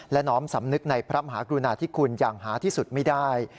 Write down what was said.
และน้อมสำนึกในพระมหากรุณาธิคุณอย่างหาที่สุดไม่ได้